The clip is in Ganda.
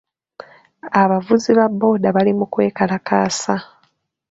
Abavuzi ba booda bali mu kwekalakaasa.